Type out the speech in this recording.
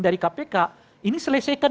dari kpk ini selesaikan